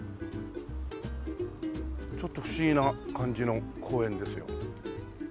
ちょっと不思議な感じの公園ですよ。